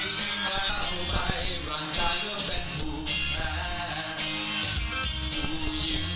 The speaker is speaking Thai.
เจอเราและจิตใจสุดนอกไม่ได้